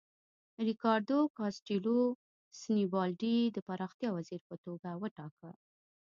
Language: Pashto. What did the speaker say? ریکاردو کاسټیلو سینیبالډي د پراختیا وزیر په توګه وټاکه.